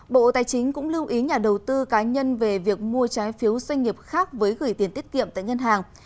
bộ tài chính cũng lưu ý nhà đầu tư cá nhân về việc mua trái phiếu doanh nghiệp khác với gửi tiền tiết kiệm tại ngân hàng